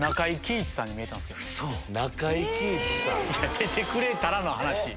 出てくれたらの話。